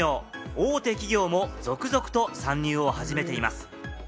大手企業も続々と参入を始めています。